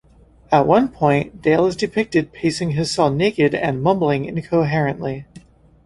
At one point Dale is depicted pacing his cell naked and mumbling incoherently.